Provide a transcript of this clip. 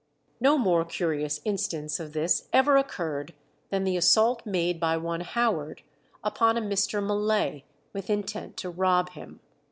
No more curious instance of this ever occurred than the assault made by one Howard upon a Mr. Mullay, with intent to rob him.